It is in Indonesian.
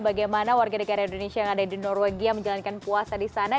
bagaimana warga negara indonesia yang ada di norwegia menjalankan puasa di sana